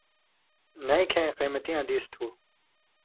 نَیں کھیں قَیمَتِیاں دِیس تُھو،